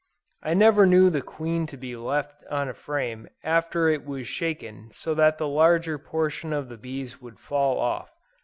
I never knew the queen to be left on a frame after it was shaken so that the larger portion of the bees would fall off.